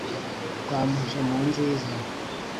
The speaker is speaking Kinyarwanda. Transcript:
Rwamuje mu nziza